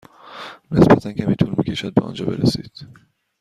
نسبتا کمی طول می کشد به آنجا برسید.